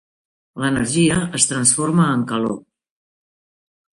L'energia es transforma en calor.